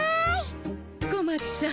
小町さん